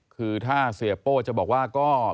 คือถ้าเสียโป้จะบอกว่าก็